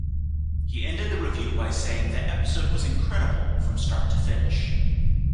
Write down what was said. He ended the review by saying the episode "was incredible, from start to finish".